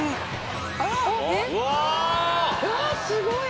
・あらうわすごい